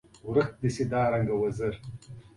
دا یوه پخوانۍ ټولنه وه چې حساس بنسټونه یې لرل